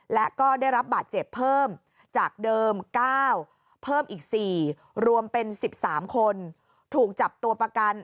และก็ได้รับบาดเจ็บเพิ่มจากเดิม๙เพิ่มอีก๔รวมเป็น๑๓คน